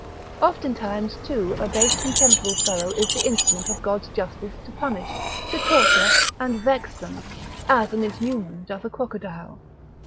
Oftentimes too a base contemptible fellow is the instrument of God's justice to punish, to torture, and vex them, as an ichneumon doth a crocodile.